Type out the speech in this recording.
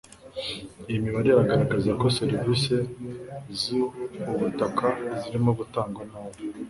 iyi mibare iragaragaza ko serivisi z ubutaka zirimo gutangwa nabi